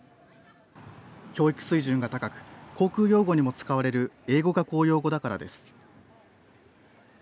教育水準が高く航空用語にも使われる英語が公用語だからです。